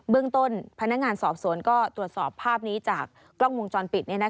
เรื่องต้นพนักงานสอบสวนก็ตรวจสอบภาพนี้จากกล้องวงจรปิด